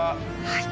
はい。